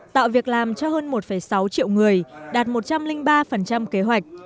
tạo việc làm cho hơn một sáu triệu người đạt một trăm linh ba kế hoạch